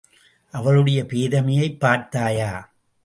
அவளுடைய பேதமையைப் பார்த்தாயா?